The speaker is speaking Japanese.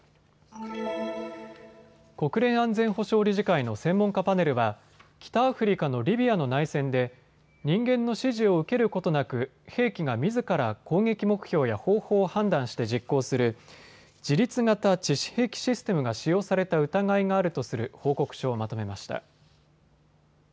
国連安全保障理事会の専門家パネルは、北アフリカのリビアの内戦で人間の指示を受けることなく兵器がみずから攻撃目標や方法を判断して実行する自律型致死兵器システムが使用された疑いがあるとする報告書をまとめました。